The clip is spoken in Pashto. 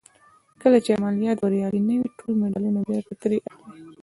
کله چې عملیات بریالي نه وي ټول مډالونه بېرته ترې اخلي.